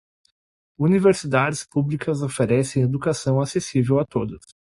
Universidades públicas oferecem educação acessível a todos.